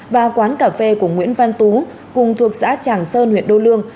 và quán cà phê của nguyễn văn tú cùng thuộc xã tràng sơn huyện đô lương